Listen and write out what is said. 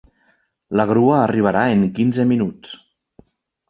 La grua arribarà en quinze minuts.